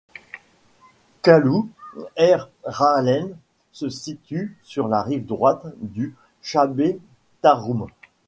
Khallout Er Rhalem se situe sur la rive droite du “Chabet Tarhoum”.